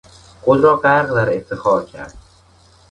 خود را غرق در افتخار کرد.